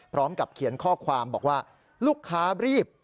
พร้อมกับเขียนข้อความบอกว่าลูกค้ารีบ